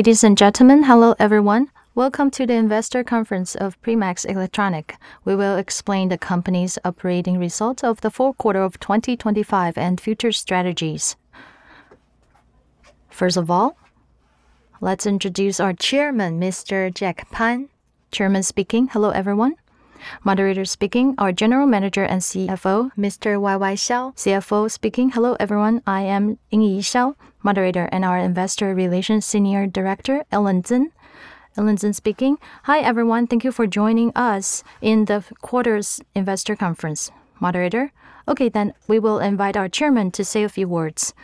Ladies and gentlemen, hello everyone. Welcome to the investor conference of Primax Electronics. We will explain the company's operating results of the fourth quarter of 2025 and future strategies. First of all, let's introduce our Chairman, Mr. Jack Pan. Hello, everyone. Our General Manager and CFO, Mr. Ying-Yi Hsiao. Hello, everyone. I am Ying-Yi Hsiao. And our Investor Relations Senior Director, Ellen Tseng. Hi, everyone. Thank you for joining us in the quarter's investor conference. Okay, we will invite our Chairman to say a few words.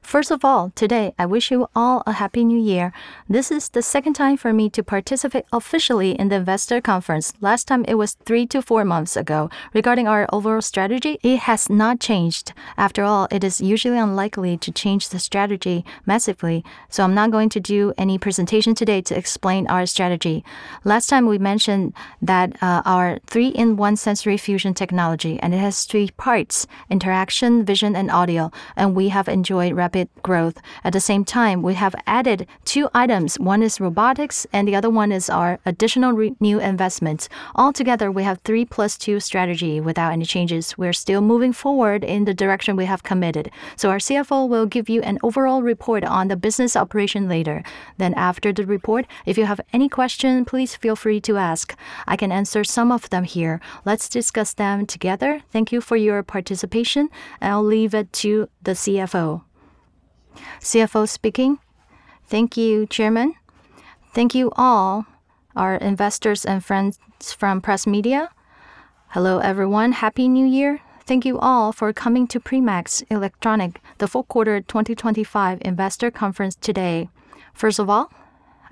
First of all, today, I wish you all a happy New Year. This is the second time for me to participate officially in the investor conference. Last time it was three to four months ago. Regarding our overall strategy, it has not changed. After all, it is usually unlikely to change the strategy massively. I'm not going to do any presentation today to explain our strategy. Last time we mentioned that our three-in-one sensory fusion technology. It has three parts: interaction, vision, and audio. We have enjoyed rapid growth. At the same time, we have added two items. One is robotics. The other one is our additional new investments. Altogether, we have a three-plus-two strategy without any changes. We're still moving forward in the direction we have committed. Our CFO will give you an overall report on the business operation later. After the report, if you have any questions, please feel free to ask. I can answer some of them here. Let's discuss them together. Thank you for your participation. I'll leave it to the CFO. Thank you, Chairman. Thank you all, our investors and friends from the press media. Hello, everyone. Happy New Year. Thank you all for coming to Primax Electronics, the fourth quarter 2025 investor conference today. First of all,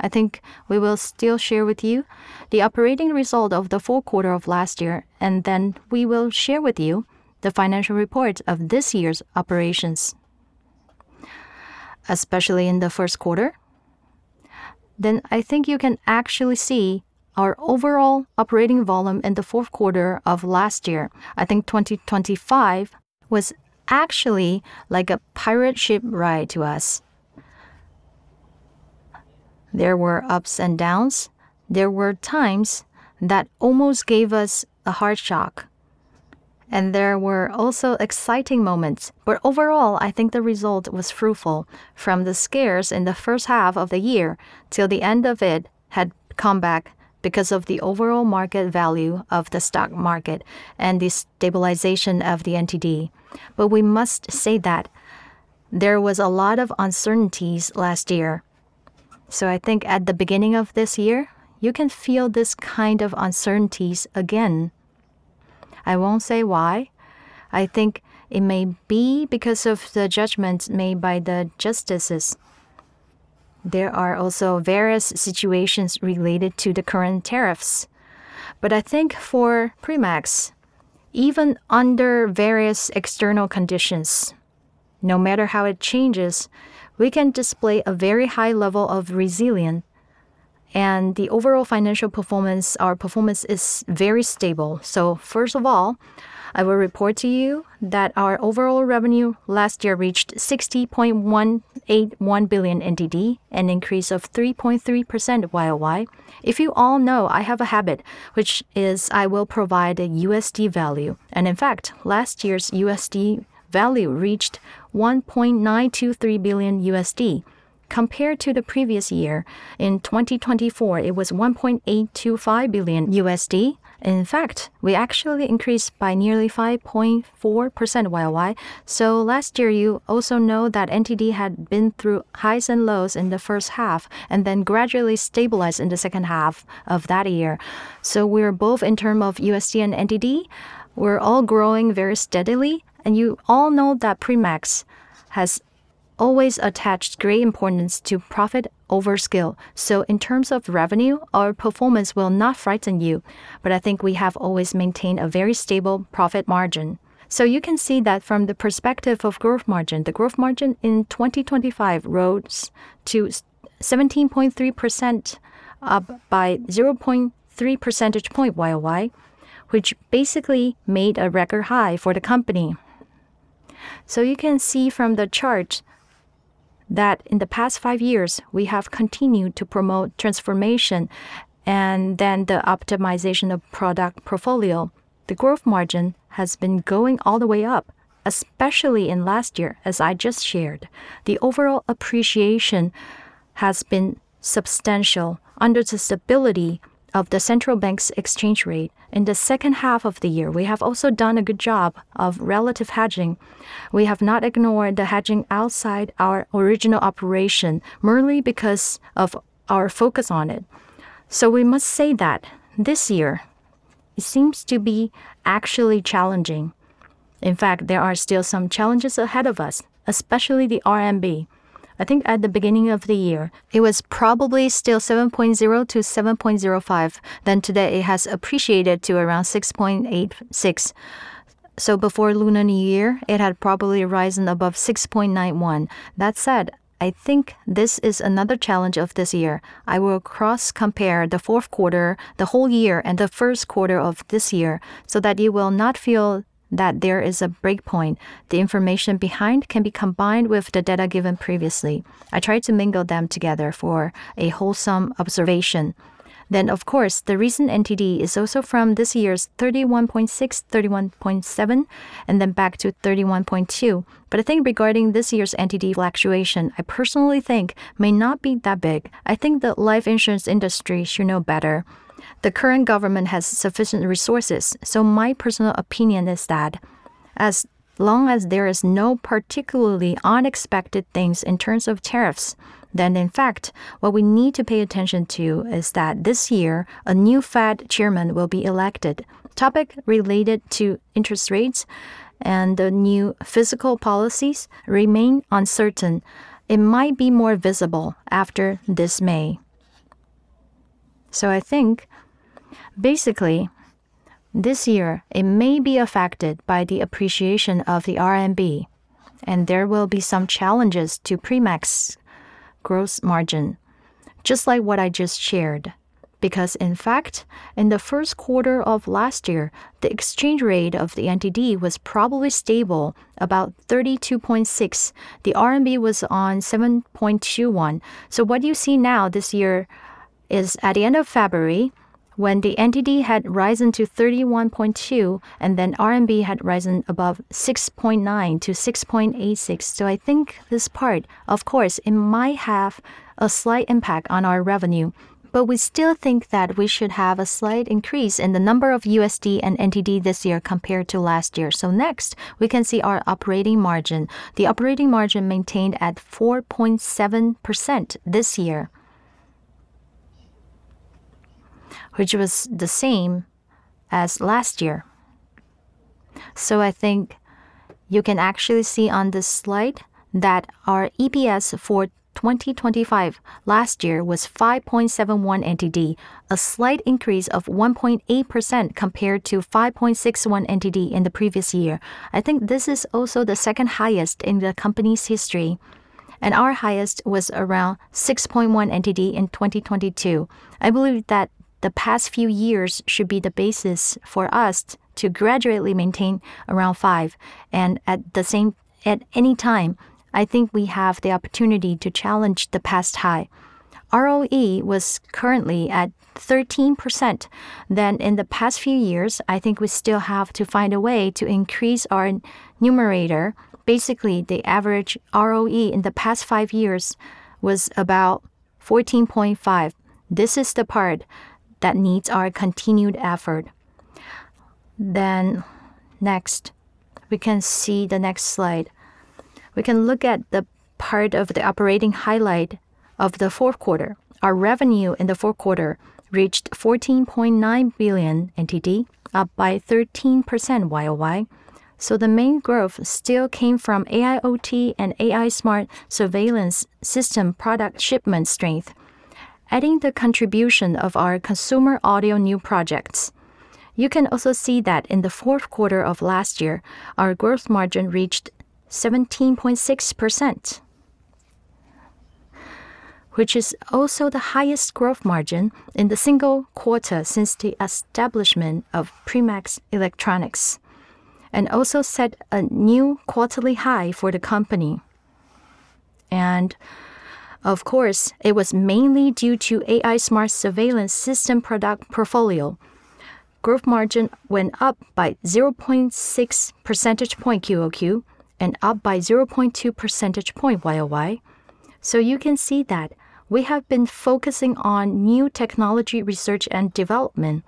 I think we will still share with you the operating results of the fourth quarter of last year. We will share with you the financial reports of this year's operations, especially in the first quarter. I think you can actually see our overall operating volume in the fourth quarter of last year. I think 2025 was actually like a pirate ship ride to us. There were ups and downs. There were times that almost gave us a heart shock, and there were also exciting moments. Overall, I think the result was fruitful. From the scares in the first half of the year till the end of it had a comeback because of the overall market value of the stock market and the stabilization of the NTD. We must say that there was a lot of uncertainty last year. I think at the beginning of this year, you can feel this kind of uncertainty again. I won't say why. I think it may be because of the judgments made by the justices. There are also various situations related to the current tariffs. I think for Primax, even under various external conditions, no matter how it changes, we can display a very high level of resilience, and the overall financial performance, our performance is very stable. First of all, I will report to you that our overall revenue last year reached NTD 60.181 billion, an increase of 3.3% year-over-year. If you all know, I have a habit, which is I will provide a USD value. In fact, last year's USD value reached $1.923 billion. Compared to the previous year in 2024, it was $1.825 billion. In fact, we actually increased by nearly 5.4% year-over-year. Last year, you also know that NTD had been through highs and lows in the first half and then gradually stabilized in the second half of that year. We're both in terms of USD and NTD. We're all growing very steadily, and you all know that Primax has always attached great importance to profit over scale. In terms of revenue, our performance will not frighten you, but I think we have always maintained a very stable profit margin. You can see that from the perspective of gross margin, the gross margin in 2025 rose to 17.3%, up by 0.3 percentage point year-over-year, which basically made a record high for the company. You can see from the chart that in the past five years, we have continued to promote transformation and the optimization of the product portfolio. The gross margin has been going all the way up, especially last year, as I just shared. The overall appreciation has been substantial under the stability of the central bank's exchange rate. In the second half of the year, we have also done a good job of relative hedging. We have not ignored the hedging outside our original operation merely because of our focus on it. We must say that this year, it seems to be actually challenging. In fact, there are still some challenges ahead of us, especially the RMB. I think at the beginning of the year, it was probably still 7.0 to 7.05 per USD. Today it has appreciated to around 6.86 per USD. Before Lunar New Year, it had probably risen above 6.91 per USD. I think this is another challenge of this year. I will cross-compare the fourth quarter, the whole year, and the first quarter of this year so that you will not feel that there is a breakpoint. The information behind can be combined with the data given previously. I tried to mingle them together for a wholesome observation. Of course, the recent NTD is also from this year's NTD 31.6- NTD 31.7 per USD, and then back to NTD 31.2 per USD. I think regarding this year's NTD fluctuation, I personally think it may not be that big. I think the life insurance industry should know better. The current government has sufficient resources. My personal opinion is that as long as there are no particularly unexpected things in terms of tariffs, then, in fact, what we need to pay attention to is that this year, a new Fed chairman will be elected. Topics related to interest rates and the new fiscal policies remain uncertain. It might be more visible after this May. I think basically, this year, it may be affected by the appreciation of the RMB, and there will be some challenges to Primax's gross margin, just like what I just shared. Because in fact, in the first quarter of last year, the exchange rate of the NTD was probably stable, about NTD 32.6. The RMB was at 7.21. What you see now this year is at the end of February, when the NTD had risen to NTD 31.2, and then RMB had risen above 6.9 to 6.86. I think this part, of course, it might have a slight impact on our revenue, but we still think that we should have a slight increase in the number of USD and NTD this year compared to last year. Next, we can see our operating margin. The operating margin was maintained at 4.7% this year, which was the same as last year. I think you can actually see on this slide that our EPS for 2025 last year was NTD 5.71, a slight increase of 1.8% compared to NTD 5.61 in the previous year. I think this is also the second-highest in the company's history, and our highest was around NTD 6.1 in 2022. I believe that the past few years should be the basis for us to gradually maintain around NTD 5. At any time, I think we have the opportunity to challenge the past high. ROE was currently at 13%. In the past few years, I think we still have to find a way to increase our numerator. Basically, the average ROE in the past five years was about 14.5%. This is the part that needs our continued effort. Next, we can see the next slide. We can look at the part of the operating highlights of the fourth quarter. Our revenue in the fourth quarter reached NTD 14.9 billion, up by 13% year-over-year. The main growth still came from AIoT and AI smart surveillance system product shipment strength, adding the contribution of our consumer audio new projects. You can also see that in the fourth quarter of last year, our gross margin reached 17.6%, which is also the highest gross margin in a single quarter since the establishment of Primax Electronics, and also set a new quarterly high for the company. Of course, it was mainly due to AI smart surveillance system product portfolio. Gross margin went up by 0.6 percentage points quarter-over-quarter and up by 0.2 percentage points year-over-year. You can see that we have been focusing on new technology research and development.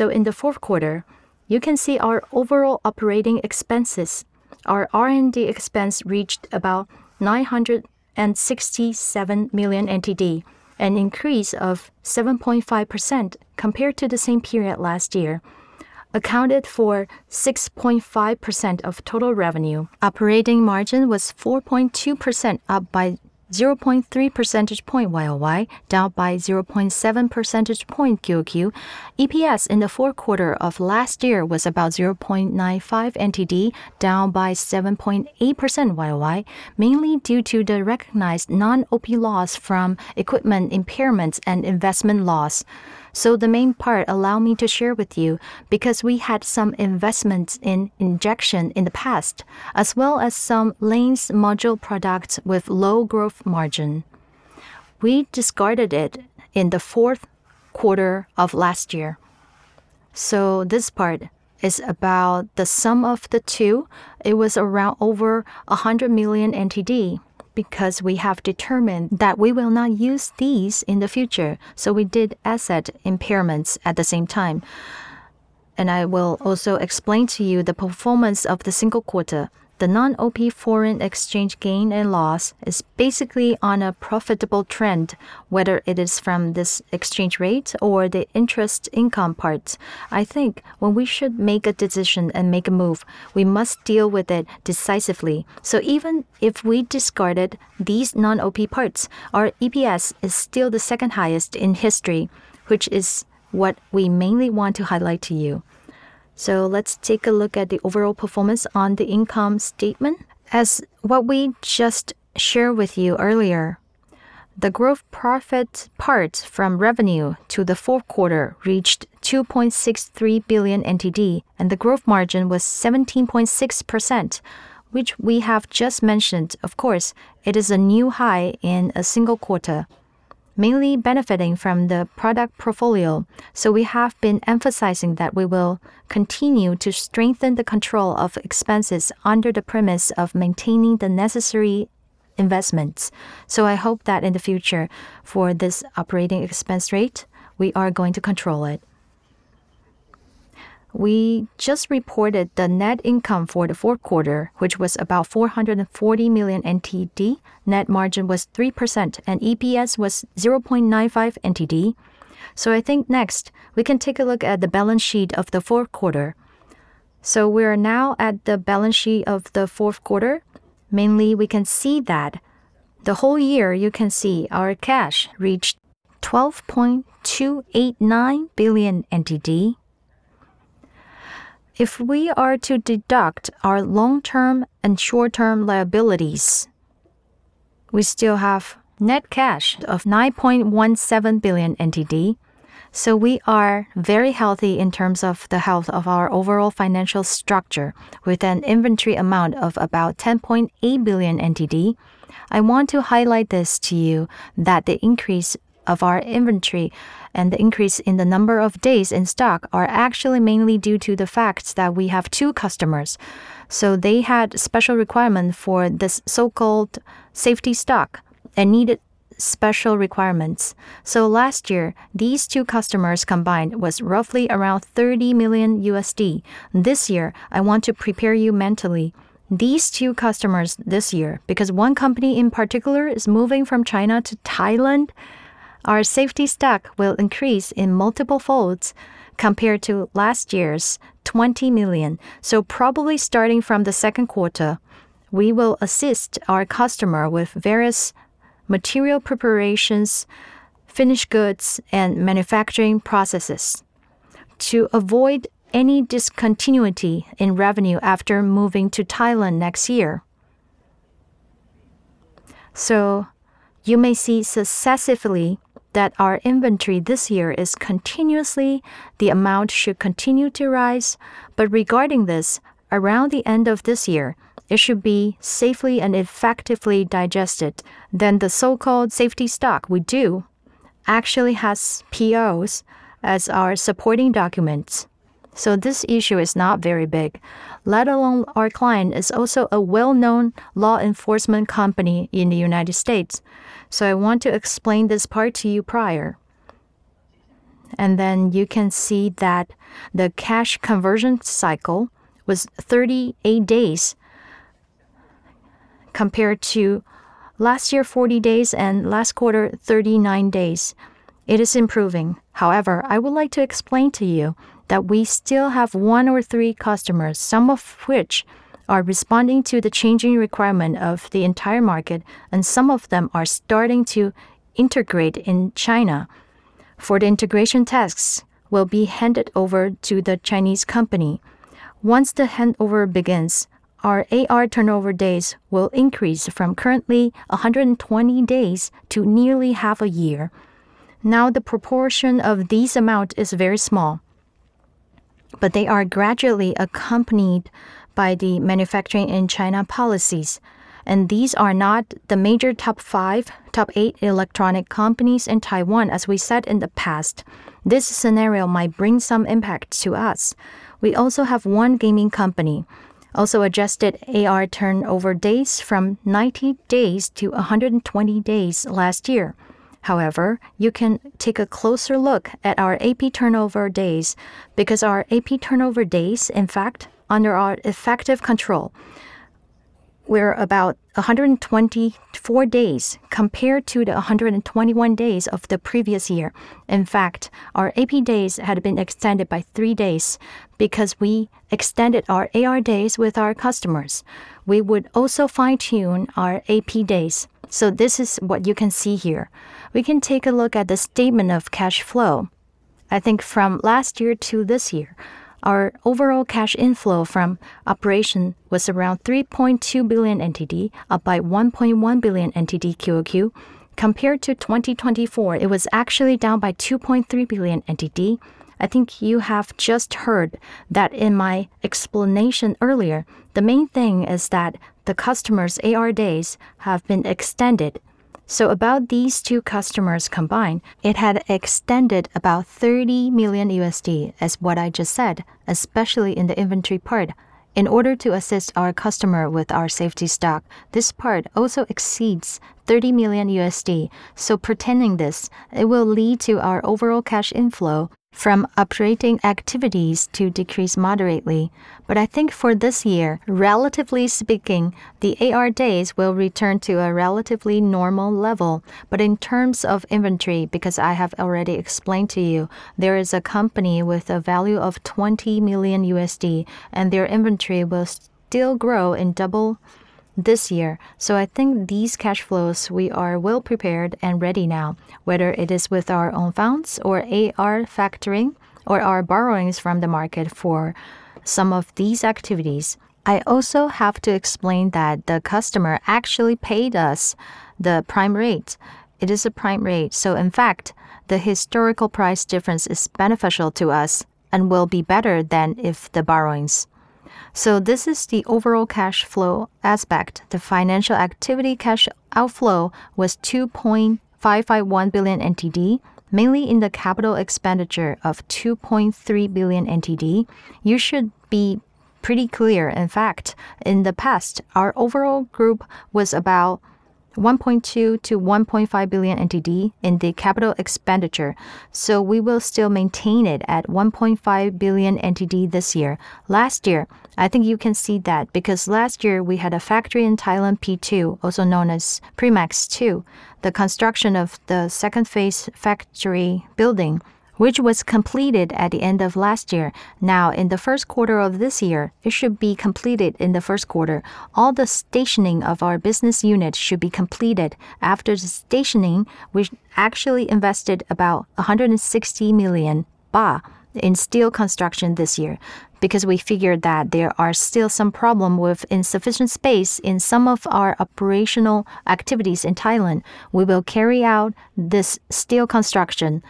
In the fourth quarter, you can see our overall operating expenses. Our R&D expense reached about NTD 967 million, an increase of 7.5% compared to the same period last year, which accounted for 6.5% of total revenue. Operating margin was 4.2%, up by 0.3 percentage points year-over-year, down by 0.7 percentage points quarter-over-quarter. EPS in the fourth quarter of last year was about NTD 0.95, down by 7.8% year-over-year, mainly due to the recognized non-operating loss from equipment impairments and investment loss. The main part allows me to share with you, because we had some investments in injection in the past, as well as some lens module products with low gross margin. We discarded it in the fourth quarter of last year. This part is about the sum of the two. It was around over NTD 100 million because we have determined that we will not use these in the future. We did asset impairments at the same time. I will also explain to you the performance of the single quarter. The non-OP foreign exchange gain and loss is basically on a profitable trend, whether it is from this exchange rate or the interest income parts. I think when we should make a decision and make a move, we must deal with it decisively. Even if we discarded these non-OP parts, our EPS is still the second highest in history, which is what we mainly want to highlight to you. Let's take a look at the overall performance on the income statement. As what we just shared with you earlier, the gross profit part from revenue to the fourth quarter reached NTD 2.63 billion, and the gross margin was 17.6%, which we have just mentioned. Of course, it is a new high in a single quarter, mainly benefiting from the product portfolio. We have been emphasizing that we will continue to strengthen the control of expenses under the premise of maintaining the necessary investments. I hope that in the future, for this operating expense rate, we are going to control it. We just reported the net income for the fourth quarter, which was about NTD 440 million. Net margin was 3%, and EPS was NTD 0.95. I think next, we can take a look at the balance sheet of the fourth quarter. We are now at the balance sheet of the fourth quarter. Mainly, we can see that the whole year, you can see our cash reached NTD 12.289 billion. If we are to deduct our long-term and short-term liabilities, we still have a net cash of NTD 9.17 billion. We are very healthy in terms of the health of our overall financial structure, with an inventory amount of about NTD 10.8 billion. I want to highlight this to you that the increase in our inventory and the increase in the number of days in stock are actually mainly due to the fact that we have two customers. They had special requirement for this so-called safety stock and needed special requirements. Last year, these two customers combined were roughly around $30 million. This year, I want to prepare you mentally. These two customers this year, because one company in particular is moving from China to Thailand, our safety stock will increase in multiple-fold compared to last year's $20 million. Probably starting from the second quarter, we will assist our customer with various material preparations, finished goods, and manufacturing processes to avoid any discontinuity in revenue after moving to Thailand next year. You may see successively that our inventory this year is continuously increasing. The amount should continue to rise. Regarding this, around the end of this year, it should be safely and effectively digested. The so-called safety stock we do actually have POs as our supporting documents. This issue is not very big, let alone our client is also a well-known law enforcement company in the U.S. I want to explain this part to you, prior. You can see that the cash conversion cycle was 38 days compared to last year, 40 days, and last quarter, 39 days. It is improving. I would like to explain to you that we still have one or three customers, some of whom are responding to the changing requirements of the entire market. Some of them are starting to integrate in China, for the integration tasks will be handed over to the Chinese company. Once the handover begins, our AR turnover days will increase from currently 120 days to nearly half a year. The proportion of this amount is very small, but they are gradually accompanied by the manufacturing in China policies. These are not the major top five, top eight electronic companies in Taiwan, as we said in the past. This scenario might bring some impact to us. We also have one gaming company, also adjusted AR turnover days from 90 days to 120 days last year. You can take a closer look at our AP turnover days, because our AP turnover days, in fact, under our effective control, were about 124 days compared to the 121 days of the previous year. Our AP days had been extended by three days because we extended our AR days with our customers. We would also fine-tune our AP days. This is what you can see here. We can take a look at the statement of cash flow. I think from last year to this year, our overall cash inflow from operations was around NTD 3.2 billion, up by NTD 1.1 billion quarter-over-quarter. Compared to 2024, it was actually down by NTD 2.3 billion. I think you have just heard that in my explanation earlier, the main thing is that the customer's AR days have been extended. About these two customers combined, it had extended about $30 million, as what I just said, especially in the inventory part. In order to assist our customer with our safety stock, this part also exceeds $30 million. Pertaining this, it will lead to our overall cash inflow from operating activities to decrease moderately. I think for this year, relatively speaking, the AR days will return to a relatively normal level. In terms of inventory, because I have already explained to you, there is a company with a value of $20 million, and their inventory will still grow and double this year. I think these cash flows, we are well-prepared and ready now, whether it is with our own funds, or AR factoring, or our borrowings from the market for some of these activities. I also have to explain that the customer actually paid us the prime rate. It is a prime rate, in fact, the historical price difference is beneficial to us and will be better than if the borrowings. This is the overall cash flow aspect. The financial activity cash outflow was NTD 2.551 billion, mainly in the capital expenditure of NTD 2.3 billion. You should be pretty clear, in fact, in the past, our overall group was about NTD 1.2 billion to NTD 1.5 billion in the capital expenditure. We will still maintain it at NTD 1.5 billion this year. Last year, I think you can see that, because last year we had a factory in Thailand, P2, also known as Primax 2, the construction of the second phase factory building, which was completed at the end of last year. Now, in the first quarter of this year, it should be completed in the first quarter. All the stationing of our business units should be completed. After the stationing, we actually invested about 160 million baht in steel construction this year, because we figured that there are still some problems with insufficient space in some of our operational activities in Thailand. We will carry out this steel construction,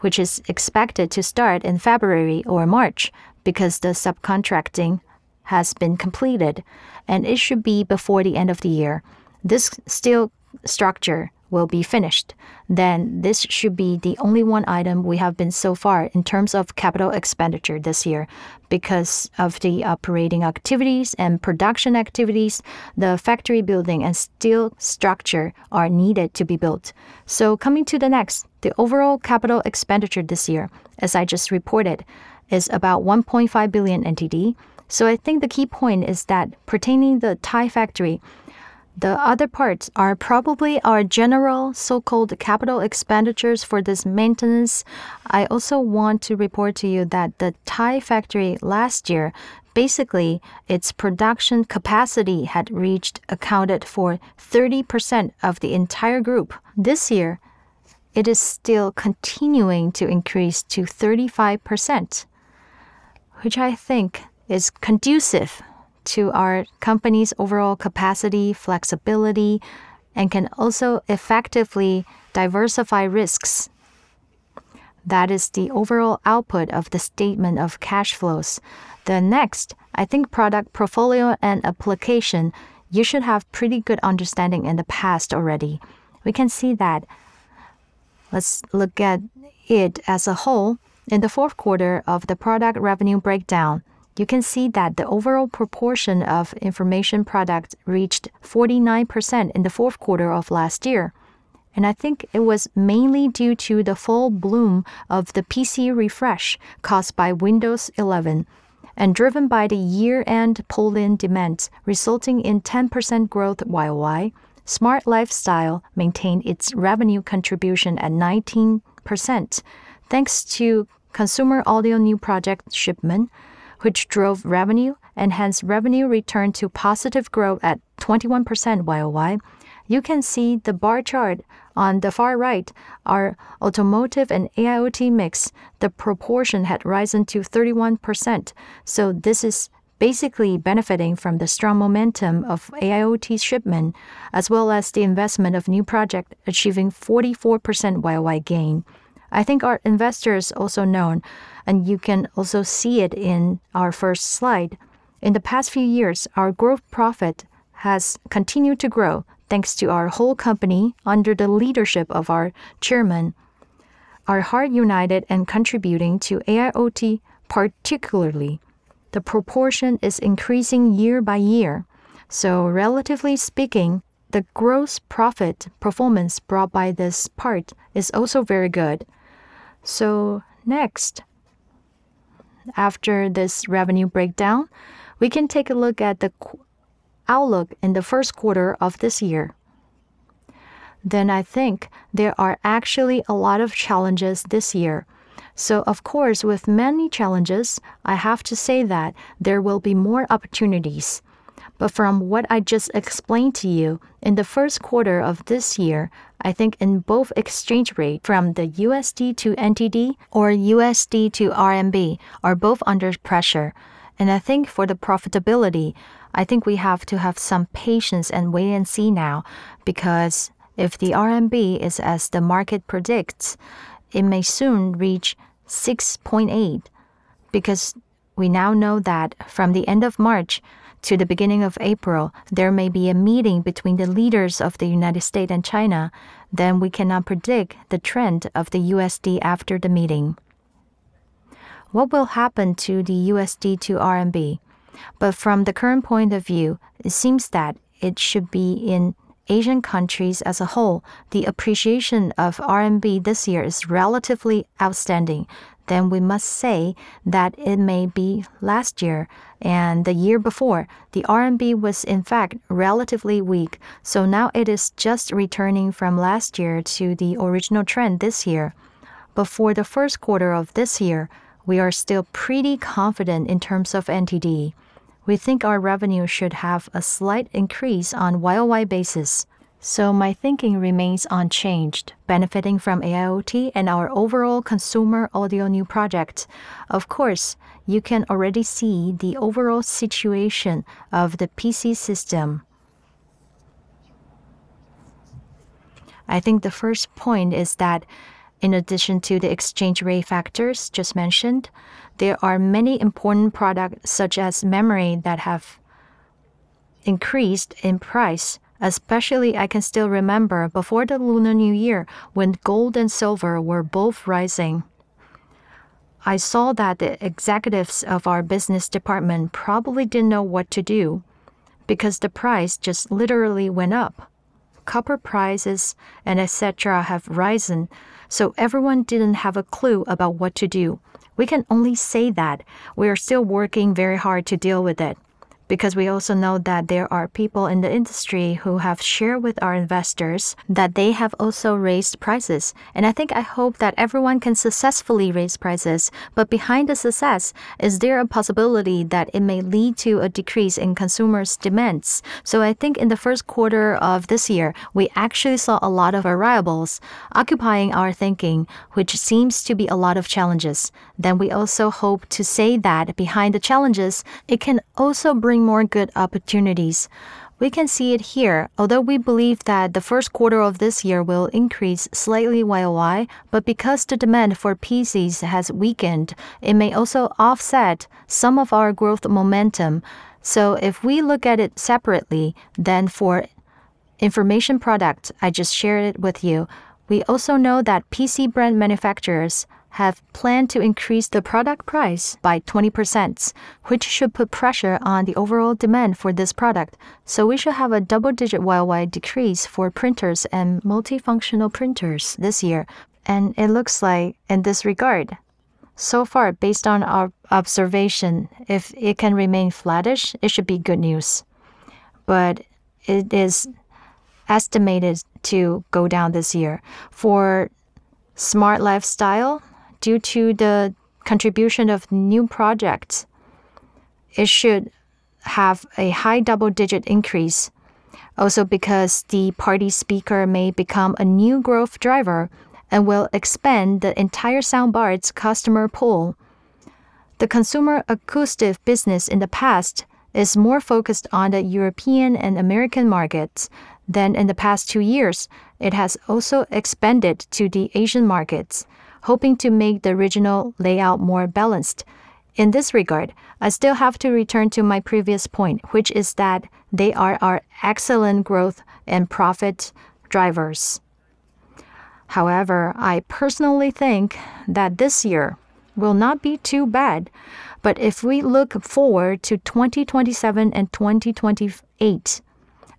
which is expected to start in February or March, because the subcontracting has been completed, and it should be before the end of the year. This steel structure will be finished. This should be the only one item we have been so far in terms of capital expenditure this year because of the operating activities and production activities, the factory building and steel structure are needed to be built. Coming to the next, the overall capital expenditure this year, as I just reported, is about NTD 1.5 billion. I think the key point is that pertaining the Thailand factory, the other parts are probably our general so-called capital expenditures for this maintenance. I also want to report to you that the Thailand factory last year, basically its production capacity had reached accounted for 30% of the entire group. This year, it is still continuing to increase to 35%, which I think is conducive to our company's overall capacity, flexibility, and can also effectively diversify risks. That is the overall output of the statement of cash flows. Next, I think product portfolio and application, you should have a pretty good understanding of in the past already. We can see that. Let's look at it as a whole. In the fourth quarter of the product revenue breakdown, you can see that the overall proportion of Information Products reached 49% in the fourth quarter of last year. I think it was mainly due to the full bloom of the PC refresh caused by Windows 11 and driven by the year-end pull-in demands, resulting in 10% growth year-over-year. Smart Lifestyle maintained its revenue contribution at 19%, thanks to consumer audio new project shipment, which drove revenue and enhanced revenue return to positive growth at 21% year-over-year. You can see the bar chart on the far right, our Automotive and AIoT mix, the proportion has risen to 31%. This is basically benefiting from the strong momentum of AIoT shipment, as well as the investment of new projects, achieving 44% year-over-year gain. I think our investors also known, and you can also see it in our first slide. In the past few years, our gross profit has continued to grow thanks to our whole company under the leadership of our Chairman. Our heart united and contributing to AIoT, particularly as the proportion is increasing year by year. Relatively speaking, the gross profit performance brought by this part is also very good. Next, after this revenue breakdown, we can take a look at the outlook in the first quarter of this year. I think there are actually a lot of challenges this year. Of course, with many challenges, I have to say that there will be more opportunities. From what I just explained to you, in the first quarter of this year, I think in both the exchange rates from the USD to NTD or USD to RMB are both under pressure. I think for the profitability, I think we have to have some patience and wait and see now, because if the RMB is as the market predicts, it may soon reach 6.8 per USD. We now know that from the end of March to the beginning of April, there may be a meeting between the leaders of the United States and China, then we cannot predict the trend of the USD after the meeting. What will happen to the USD to RMB? From the current point of view, it seems that it should be in Asian countries as a whole. The appreciation of the RMB this year is relatively outstanding. We must say that it may be last year and the year before, but the RMB was, in fact, relatively weak. Now it is just returning from last year to the original trend this year. For the first quarter of this year, we are still pretty confident in terms of NTD. We think our revenue should have a slight increase on a year-over-year basis. My thinking remains unchanged, benefiting from AIoT and our overall consumer audio new project. Of course, you can already see the overall situation of the PC system. I think the first point is that, in addition to the exchange rate factors just mentioned, there are many important products, such as memory, that have increased in price. Especially, I can still remember before the Lunar New Year when gold and silver were both rising. I saw that the executives of our business department probably didn't know what to do because the price just literally went up. Copper prices and et cetera have risen, so everyone didn't have a clue about what to do. We can only say that we are still working very hard to deal with it, because we also know that there are people in the industry who have shared with our investors that they have also raised prices. I think I hope that everyone can successfully raise prices, but behind the success, is there a possibility that it may lead to a decrease in consumers' demands? I think in the first quarter of this year, we actually saw a lot of variables occupying our thinking, which seems to be a lot of challenges. We also hope to say that behind the challenges, it can also bring more good opportunities. We can see it here, although we believe that the first quarter of this year will increase slightly year-over-year, but because the demand for PCs has weakened, it may also offset some of our growth momentum. If we look at it separately, for Information Products, I just shared it with you. We also know that PC brand manufacturers have planned to increase the product price by 20%, which should put pressure on the overall demand for this product. We should have a double-digit year-over-year decrease for printers and multifunctional printers this year. It looks like in this regard, so far, based on our observation, if it can remain flattish, it should be good news. It is estimated to go down this year. For Smart Lifestyle, due to the contribution of new projects, it should have a high double-digit increase. Because the party speaker may become a new growth driver and will expand the entire soundbar's customer pool. The consumer acoustic business in the past is more focused on the European and American markets than in the past two years. It has also expanded to the Asian markets, hoping to make the regional layout more balanced. In this regard, I still have to return to my previous point, which is that they are our excellent growth and profit drivers. However, I personally think that this year will not be too bad. If we look forward to 2027 and 2028,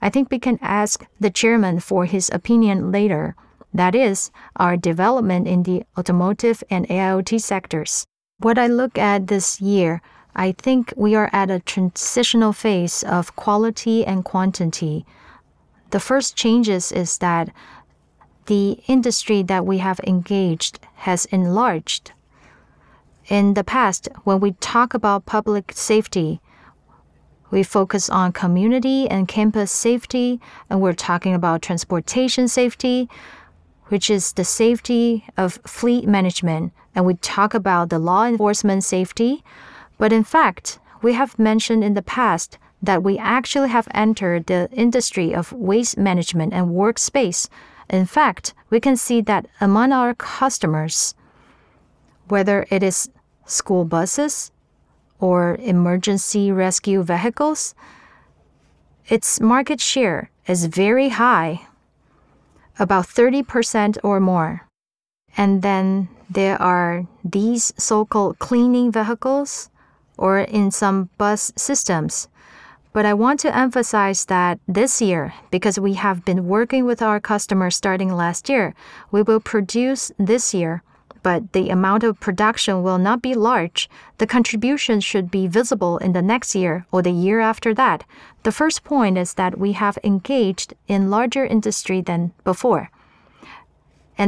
I think we can ask the chairman for his opinion later. That is our development in the Automotive and AIoT sectors. What I look at this year, I think we are at a transitional phase of quality and quantity. The first changes is that the industry that we have engaged has enlarged. In the past, when we talk about public safety, we focus on community and campus safety, and we're talking about transportation safety, which is the safety of fleet management, and we talk about the law enforcement safety. In fact, we have mentioned in the past that we actually have entered the industry of waste management and workspace. In fact, we can see that among our customers, whether it is school buses or emergency rescue vehicles, its market share is very high, about 30% or more. There are these so-called cleaning vehicles or in some bus systems. I want to emphasize that this year, because we have been working with our customers starting last year, we will produce this year, but the amount of production will not be large. The contribution should be visible in the next year or the year after that. The first point is that we have engaged in larger industry than before.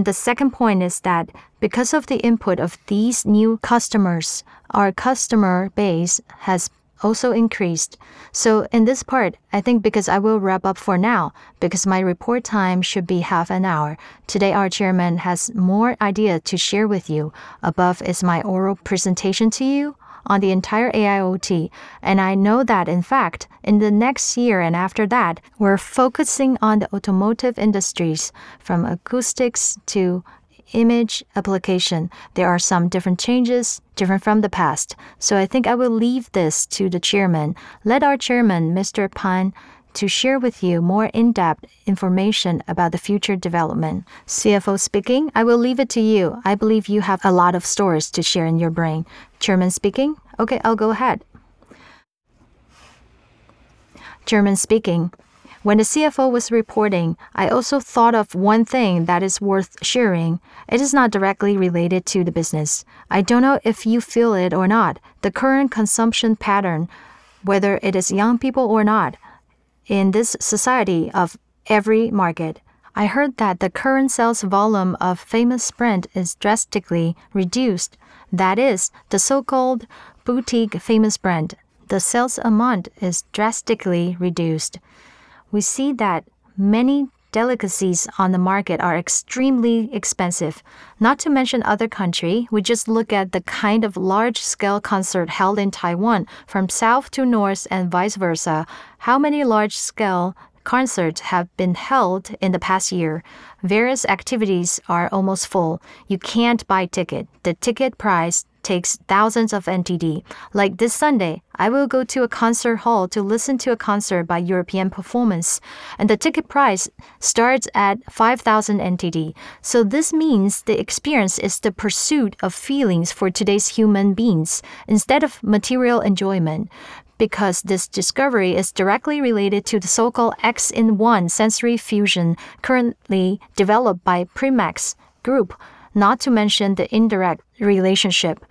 The second point is that because of the input of these new customers, our customer base has also increased. In this part, I think because I will wrap up for now, because my report time should be half an hour. Today, our Chairman has more ideas to share with you. Above is my oral presentation to you on the entire AIoT. I know that, in fact, in the next year and after that, we're focusing on the automotive industries, from acoustics to image applications. There are some different changes, different from the past. I think I will leave this to the Chairman. Let our Chairman, Mr. Pan, to share with you more in-depth information about the future development. I will leave it to you. I believe you have a lot of stories to share in your brain. Okay, I'll go ahead. When the CFO was reporting, I also thought of one thing that is worth sharing. It is not directly related to the business. I don't know if you feel it or not, the current consumption pattern, whether it is young people or not, in this society of every market, I heard that the current sales volume of famous brand is drastically reduced. That is the so-called boutique famous brand. The sales amount is drastically reduced. We see that many delicacies on the market are extremely expensive. Not to mention other countries, we just look at the kind of large-scale concert held in Taiwan from south to north and vice versa. How many large-scale concerts have been held in the past year? Various activities are almost full. You can't buy a ticket. The ticket price takes thousands of NTD. Like this Sunday, I will go to a concert hall to listen to a concert by European performer, and the ticket price starts at NTD 5,000. This means the experience is the pursuit of feelings for today's human beings instead of material enjoyment. Because this discovery is directly related to the so-called X-IN-1 Sensory Fusion currently developed by Primax Electronics. Not to mention the indirect relationship,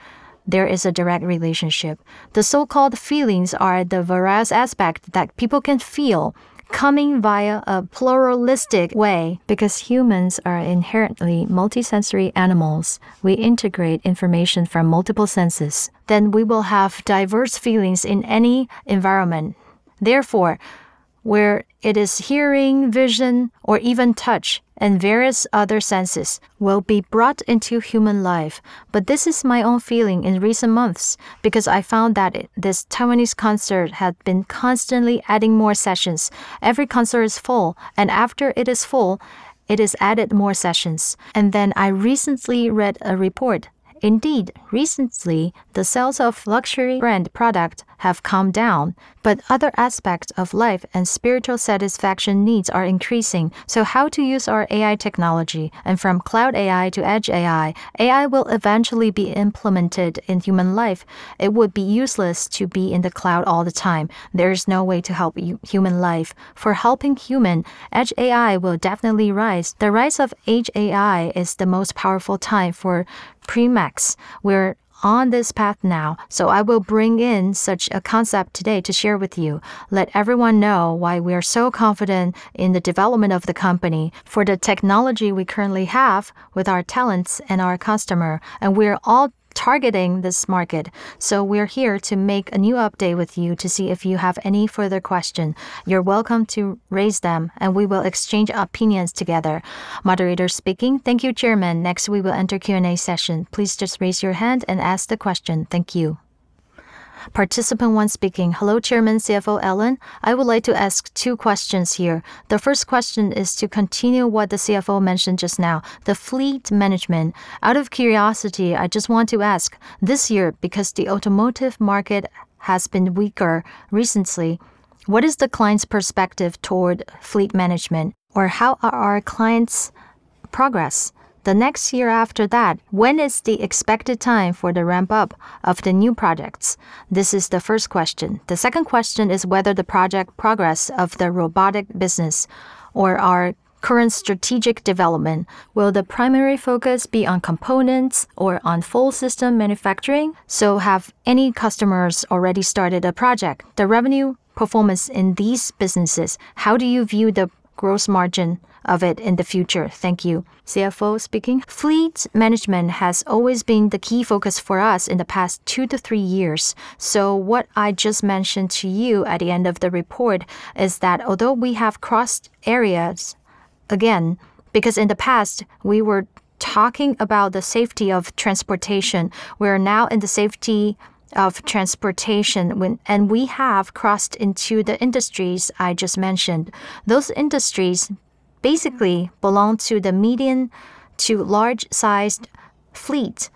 there is a direct relationship. The so-called feelings are the various aspect that people can feel coming via a pluralistic way. Because humans are inherently multi-sensory animals, we integrate information from multiple senses. We will have diverse feelings in any environment. Whether it is hearing, vision, or even touch, and various other senses will be brought into human life. This is my own feeling in recent months, because I found that this Taiwanese concert had been constantly adding more sessions. Every concert is full, and after it is full, it is added more sessions. I recently read a report. Indeed, recently, the sales of luxury brand products have come down, but other aspects of life and spiritual satisfaction needs are increasing. How to use our AI technology and from cloud AI to edge AI will eventually be implemented in human life. It would be useless to be in the cloud all the time. There is no way to help human life. For helping human, edge AI will definitely rise. The rise of edge AI is the most powerful time for Primax. We're on this path now. I will bring in such a concept today to share with you. Let everyone know why we are so confident in the development of the company for the technology we currently have with our talents and our customers, and we are all targeting this market. We're here to make a new update with you to see if you have any further questions. You're welcome to raise them, and we will exchange opinions together. Thank you, Chairman. Next, we will enter the Q&A session. Please just raise your hand and ask the question. Thank you. Hello, Chairman, CFO Ellen. I would like to ask two questions here. The first question is to continue what the CFO mentioned just now, the fleet management. Out of curiosity, I just want to ask, this year, because the automotive market has been weaker recently, what is the client's perspective toward fleet management? How are our clients' progress? The next year after that, when is the expected time for the ramp-up of the new projects? This is the first question. The second question is whether the project progress of the robotic business or our current strategic development will the primary focus be on components or on full system manufacturing? Have any customers already started a project? The revenue performance in these businesses. How do you view the gross margin of it in the future? Thank you. Fleet management has always been the key focus for us in the past two to three years. What I just mentioned to you at the end of the report is that although we have crossed areas, again, because in the past, we were talking about the safety of transportation, we are now in the safety of transportation and we have crossed into the industries I just mentioned. Those industries basically belong to the medium to large-sized fleet,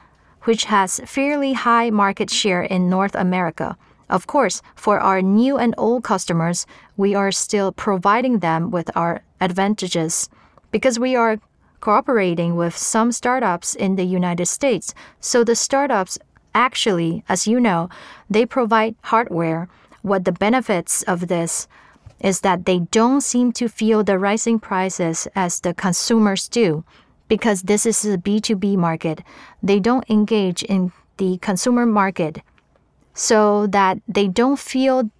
which has fairly high market share in North America. Of course, for our new and old customers, we are still providing them with our advantages because we are cooperating with some startups in the U.S. The startups, actually, as you know, they provide hardware. What the benefits of this is that they don't seem to feel the rising prices as the consumers do, because this is a B2B market. They don't engage in the consumer market so that they don't feel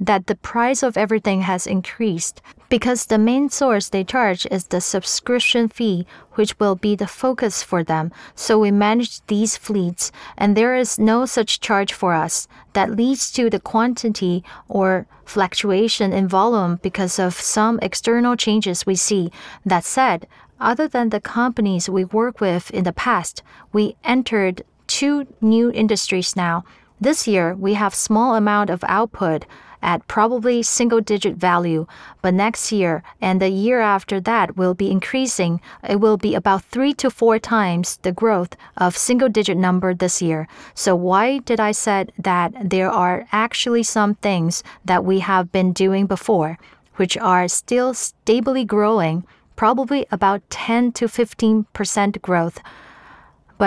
that the price of everything has increased, because the main source they charge is the subscription fee, which will be the focus for them. We manage these fleets, and there is no such charge for us that leads to the quantity or fluctuation in volume because of some external changes we see. That said, other than the companies we've worked with in the past, we entered two new industries now. This year, we have small amount of output at probably a single-digit value, but next year and the year after that will be increasing. It will be about three to four times the growth of a single-digit number this year. Why did I said that there are actually some things that we have been doing before, which are still stably growing, probably about 10% to 15% growth?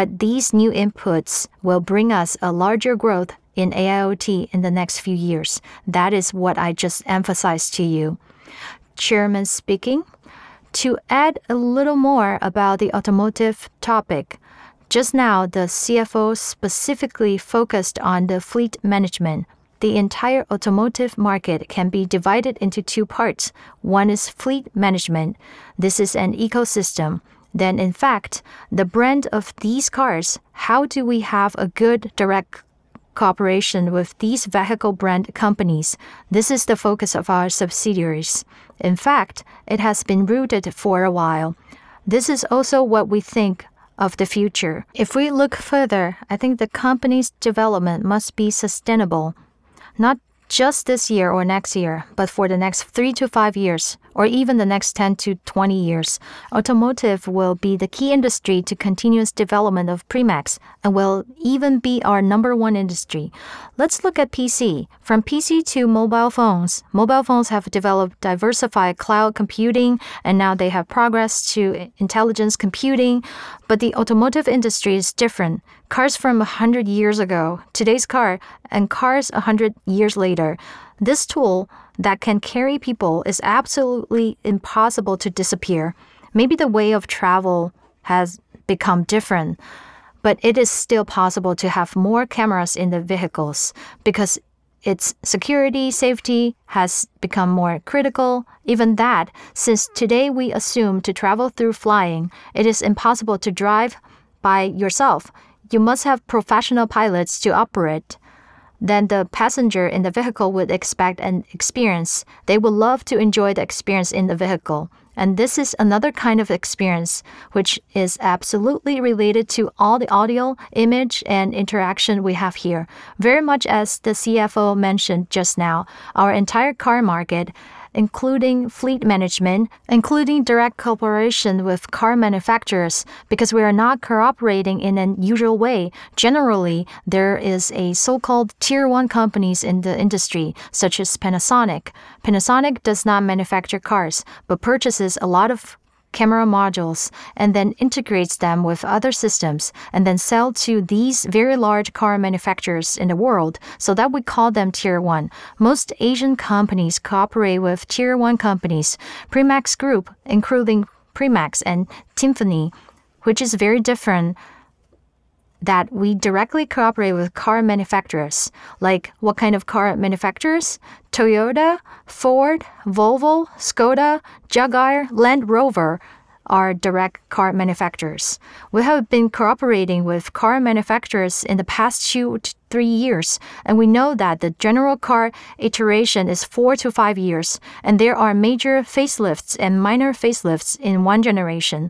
These new inputs will bring us a larger growth in AIoT in the next few years. That is what I just emphasized to you. To add a little more about the automotive topic, just now, the CFO specifically focused on the fleet management. The entire automotive market can be divided into two parts. One is fleet management. This is an ecosystem. In fact, the brand of these cars, how do we have a good direct cooperation with these vehicle brand companies, this is the focus of our subsidiaries. In fact, it has been rooted for a while. This is also what we think of the future. If we look further, I think the company's development must be sustainable, not just this year or next year, but for the next three to five years or even the next 10-20 years. Automotive will be the key industry to continuous development of Primax and will even be our number one industry. Let's look at PC. From PC to mobile phones. Mobile phones have developed diversified cloud computing, and now they have progressed to intelligent computing. The automotive industry is different. Cars from 100 years ago, today's car and cars 100 years later, this tool that can carry people is absolutely impossible to disappear. Maybe the way of travel has become different, but it is still possible to have more cameras in the vehicles because its security, safety has become more critical. Even that, since today we assume to travel through flying, it is impossible to drive by yourself. You must have professional pilots to operate. The passenger in the vehicle would expect an experience. They would love to enjoy the experience in the vehicle. This is another kind of experience which is absolutely related to all the audio, image, and interaction we have here. Very much as the CFO mentioned just now, our entire car market, including fleet management, including direct cooperation with car manufacturers, because we are not cooperating in an unusual way. Generally, there are so-called Tier 1 companies in the industry, such as Panasonic. Panasonic does not manufacture cars, but purchases a lot of camera modules and then integrates them with other systems and then sells to these very large car manufacturers in the world so that we call them Tier 1. Most Asian companies cooperate with Tier 1 companies. Primax-Tymphany Group, including Primax and Tymphany, which is very different, that we directly cooperate with car manufacturers. Like what kind of car manufacturers? Toyota, Ford, Volvo, Škoda, Jaguar, Land Rover are direct car manufacturers. We have been cooperating with car manufacturers in the past two to three years. We know that the general car iteration is four to five years, and there are major facelifts and minor facelifts in one generation.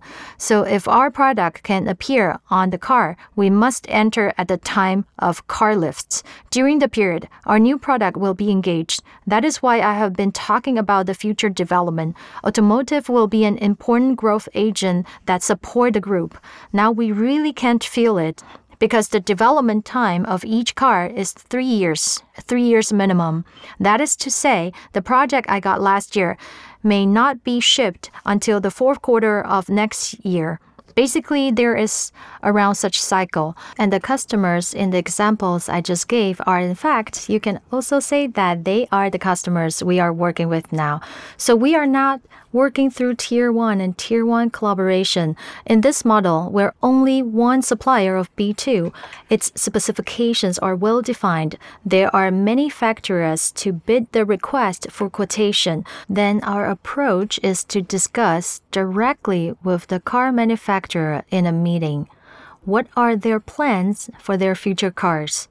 If our product can appear on the car, we must enter at the time of car lifts. During the period, our new product will be engaged. That is why I have been talking about the future development. Automotive will be an important growth agent that supports Primax. Now, we really can't feel it because the development time of each car is three years, three years minimum. That is to say, the project I got last year may not be shipped until the fourth quarter of next year. Basically, there is around such cycle, and the customers in the examples I just gave are in fact, you can also say that they are the customers we are working with now. We are not working through Tier 1 and Tier 1 collaboration. In this model, we're only one supplier of Tier 2. Its specifications are well-defined. There are many factors to bid the request for quotation. Our approach is to discuss directly with the car manufacturer in a meeting. What are their plans for their future cars?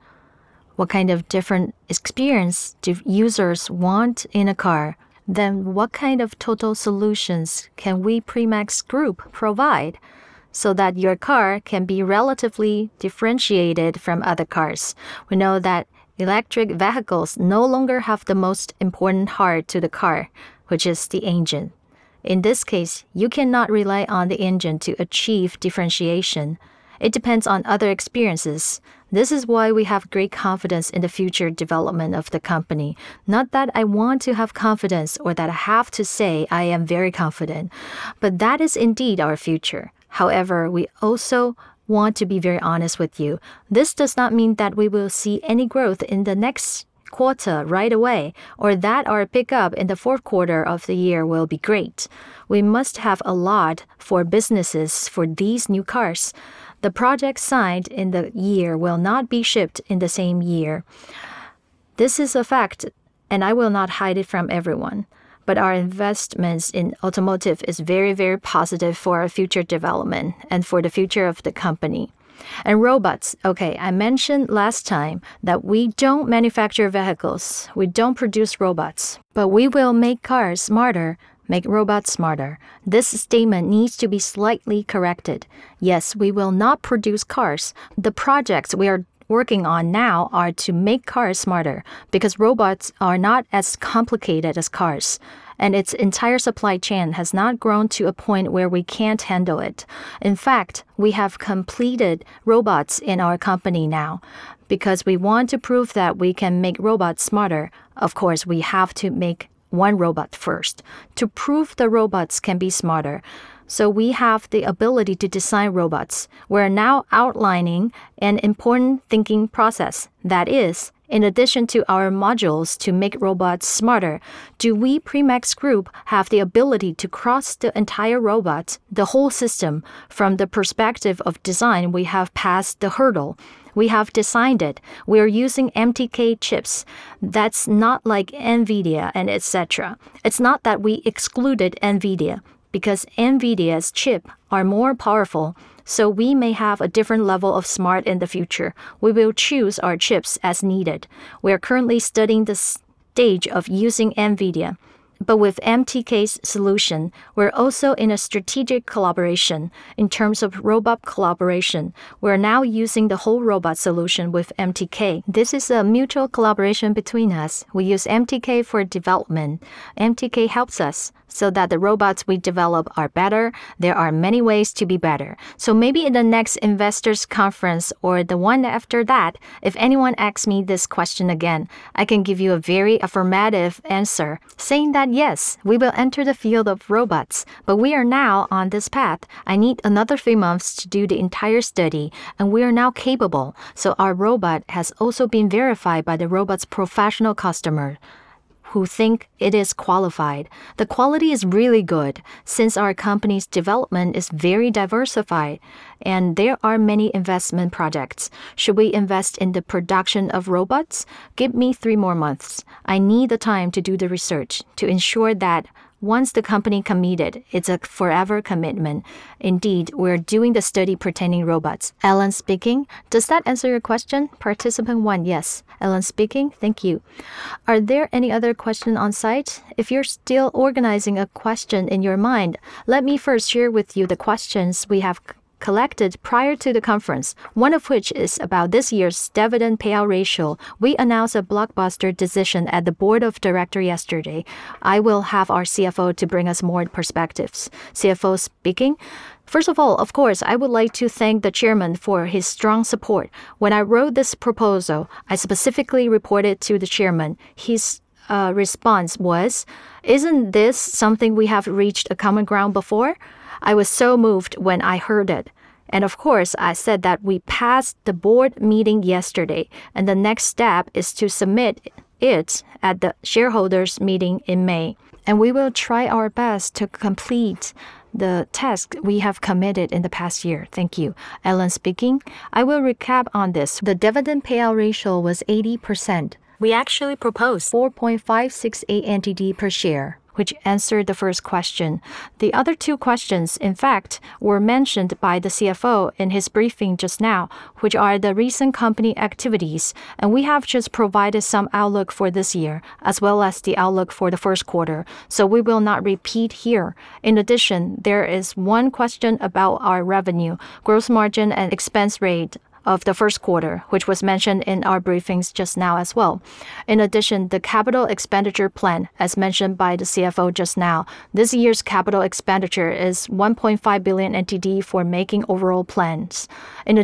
What kind of different experience do users want in a car? What kind of total solutions can we, Primax Electronics, provide so that your car can be relatively differentiated from other cars? We know that electric vehicles no longer have the most important heart to the car, which is the engine. In this case, you cannot rely on the engine to achieve differentiation. It depends on other experiences. This is why we have great confidence in the future development of the company. Not that I want to have confidence or that I have to say I am very confident, but that is indeed our future. However, we also want to be very honest with you. This does not mean that we will see any growth in the next quarter right away, or that our pickup in the fourth quarter of the year will be great. We must have a lot for businesses for these new cars. The project signed in the year will not be shipped in the same year. This is a fact, and I will not hide it from everyone. Our investments in automotive is very, very positive for our future development and for the future of the company. Robots, okay, I mentioned last time that we don't manufacture vehicles, we don't produce robots, but we will make cars smarter, make robots smarter. This statement needs to be slightly corrected. Yes, we will not produce cars. The projects we are working on now are to make cars smarter because robots are not as complicated as cars, and its entire supply chain has not grown to a point where we can't handle it. In fact, we have completed robots in our company now because we want to prove that we can make robots smarter. Of course, we have to make one robot first to prove that robots can be smarter. We have the ability to design robots. We're now outlining an important thinking process. That is, in addition to our modules to make robots smarter, do we, Primax Electronics, have the ability to cross the entire robot, the whole system? From the perspective of design, we have passed the hurdle. We have designed it. We are using MTK chips. That's not like NVIDIA and etc. It's not that we excluded NVIDIA, but because NVIDIA's chips are more powerful, we may have a different level of smart in the future. We will choose our chips as needed. We are currently studying this stage of using NVIDIA. With MTK's solution, we're also in a strategic collaboration in terms of robot collaboration. We're now using the whole robot solution with MTK. This is a mutual collaboration between us. We use MTK for development. MTK helps us so that the robots we develop are better. There are many ways to be better. Maybe in the next investors conference or the one after that, if anyone asks me this question again, I can give you a very affirmative answer saying that, yes, we will enter the field of robots, but we are now on this path. I need another three months to do the entire study, and we are now capable. Our robot has also been verified by the robot's professional customer who think it is qualified. The quality is really good. Since our company's development is very diversified and there are many investment projects, should we invest in the production of robots? Give me three more months. I need the time to do the research to ensure that once the company committed, it's a forever commitment. Indeed, we're doing the study pertaining to robots. Does that answer your question? Yes. Thank you. Are there any other questions on site? If you're still organizing a question in your mind, let me first share with you the questions we have collected prior to the conference, one of which is about this year's dividend payout ratio. We announced a blockbuster decision at the Board of Directors yesterday. I will have our CFO bring us more perspectives. First of all, of course, I would like to thank the Chairman for his strong support. When I wrote this proposal, I specifically reported to the Chairman. His response was, "Isn't this something we have reached a common ground before?" I was so moved when I heard it. Of course, I said that we passed the board meeting yesterday. The next step is to submit it at the shareholders' meeting in May. We will try our best to complete the task we have committed in the past year. Thank you. I will recap on this. The dividend payout ratio was 80%. We actually proposed NTD 4.56 per share, which answered the first question. The other two questions, in fact, were mentioned by the CFO in his briefing just now, which are the recent company activities. We have just provided some outlook for this year, as well as the outlook for the first quarter. We will not repeat here. In addition, there is one question about our revenue, gross margin, and expense rate of the first quarter, which was mentioned in our briefings just now as well. The capital expenditure plan, as mentioned by the CFO just now, this year's capital expenditure is NTD 1.5 billion for making overall plans. In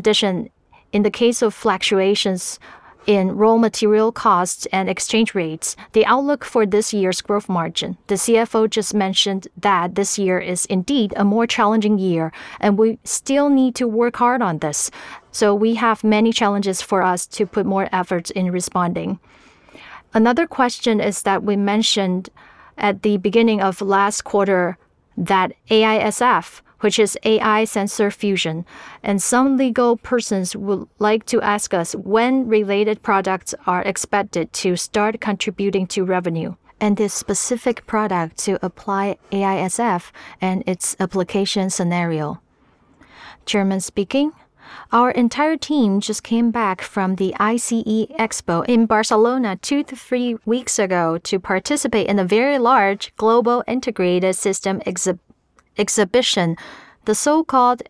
the case of fluctuations in raw material costs and exchange rates, the outlook for this year's gross margin, the CFO just mentioned that this year is indeed a more challenging year, and we still need to work hard on this. We have many challenges for us to put more effort into responding. Another question is that we mentioned at the beginning of last quarter that AISF, which is AI Sensor Fusion, and some legal persons would like to ask us when related products are expected to start contributing to revenue and the specific product to apply AISF and its application scenario? Our entire team just came back from the ISE Expo in Barcelona two to three weeks ago to participate in a very large global integrated system exhibition. The so-called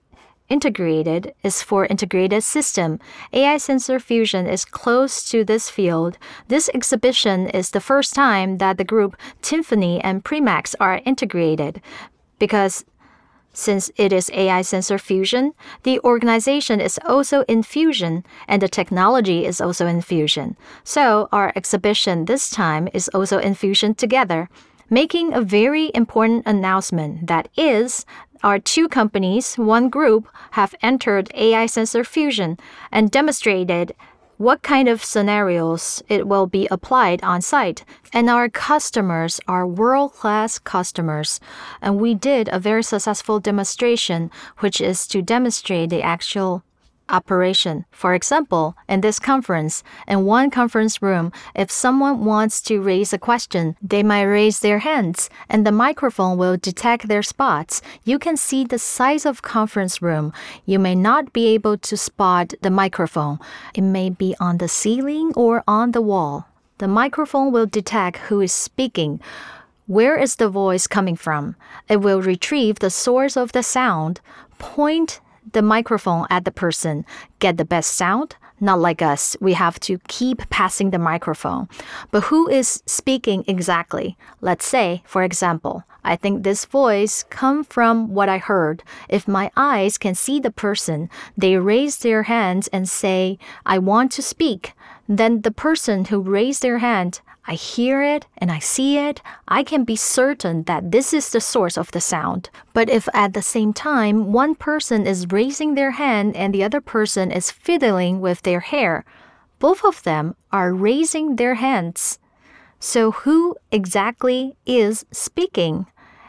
integrated is for integrated system. AI Sensor Fusion is close to this field. This exhibition is the first time that the group, Tymphany and Primax, are integrated because, since it is AI Sensor Fusion, the organization is also in fusion, and the technology is also in fusion. Our exhibition this time is also in fusion together, making a very important announcement. That is, our two companies, one group, have entered AI Sensor Fusion and demonstrated what kind of scenarios it will be applied on site. Our customers are world-class customers, and we did a very successful demonstration, which is to demonstrate the actual operation. For example, in this conference, in one conference room, if someone wants to raise a question, they might raise their hands, and the microphone will detect their spots. You can see the size of the conference room. You may not be able to spot the microphone. It may be on the ceiling or on the wall. The microphone will detect who is speaking. Where is the voice coming from? It will retrieve the source of the sound, point the microphone at the person, get the best sound. Not like us. We have to keep passing the microphone. Who is speaking exactly? Let's say, for example, I think this voice comes from what I heard. If my eyes can see the person, they raise their hands and say, "I want to speak." The person who raised their hand, I hear it and I see it. I can be certain that this is the source of the sound. If at the same time, one person is raising their hand and the other person is fiddling with their hair, both of them are raising their hands. Who exactly is speaking?